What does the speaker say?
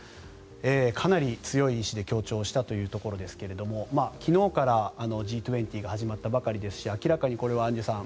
かなり強い意思で強調したということですが昨日からＧ２０が始まったばかりですし明らかにこれはアンジュさん